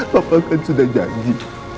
pak pak kan sudah janji